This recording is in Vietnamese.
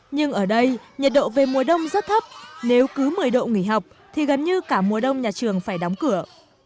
nhưng ở đây nhiệt độ về mùa đông rất thấp nếu cứ một mươi độ nghỉ học thì gần như cả mùa đông nhà trường phải đóng cửa